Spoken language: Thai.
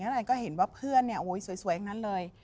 แล้วแอนก็เห็นว่าเพื่อนเนี่ยโอ้ยสวยอย่างนั้นเลย